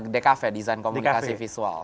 dkv design komunikasi visual